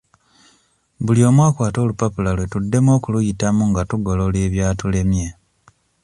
Buli omu akwate olupapula lwe tuddemu okuluyitamu nga tugolola ebyatulemye.